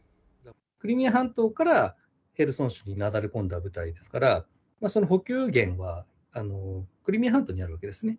クリミア半島からヘルソン州になだれ込んだ部隊ですから、その補給源はクリミア半島になるわけですね。